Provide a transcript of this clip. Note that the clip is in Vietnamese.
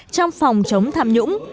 trong phòng chống tham nhũng